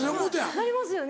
なりますよね